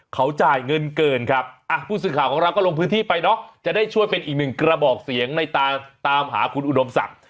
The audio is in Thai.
เขาจ่ายเงินเกินครับผู้สื่อข่าวของเราก็ลงพื้นที่ไปเนาะจะได้ช่วยเป็นอีกหนึ่งกระบอกเสียงในตามหาคุณอุดมศักดิ์